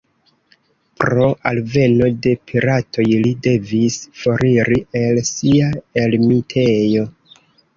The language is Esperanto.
Pro alveno de piratoj, li devis foriri el sia ermitejo.